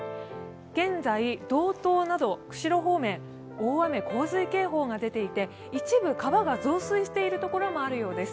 現在、道東など釧路方面、大雨洪水警報が出ていて一部、川が増水している所もあるようです。